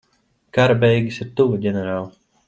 Kara beigas ir tuvu, ģenerāl.